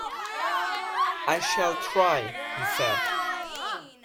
"I shall try," he said.